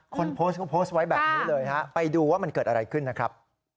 คนโพสต์เขาโพสต์ไว้แบบนี้เลยฮะไปดูว่ามันเกิดอะไรขึ้นนะครับ